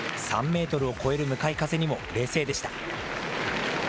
３メートルを超える向かい風にも冷静でした。